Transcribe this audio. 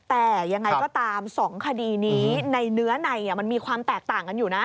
แต่ยังไงก็ตาม๒คดีนี้ในเนื้อในมันมีความแตกต่างกันอยู่นะ